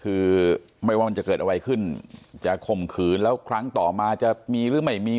คือไม่ว่ามันจะเกิดอะไรขึ้นจะข่มขืนแล้วครั้งต่อมาจะมีหรือไม่มี